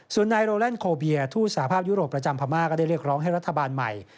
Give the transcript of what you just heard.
ส่วนนายโรแลนดโคเบียทูตสหภาพยุโรปประจำพม่าก็ได้เรียกร้องให้รัฐบาลใหม่